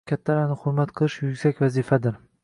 Kattalarni hurmat qilish yuksak vazifadir.